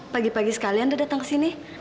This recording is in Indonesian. pagi pagi sekalian udah datang kesini